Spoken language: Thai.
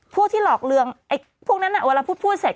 พวกที่หลอกเรืองพวกนั้นน่ะเวลาพูดเสร็จ